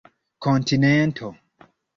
kontinento